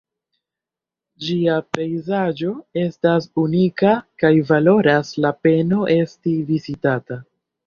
Ĝia pejzaĝo estas unika kaj valoras la peno esti vizitata.